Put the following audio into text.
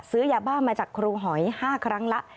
ซื้อยาบ้ามาจากครูหอย๕ครั้งละ